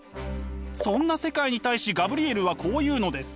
そんな世界に対しガブリエルはこう言うのです。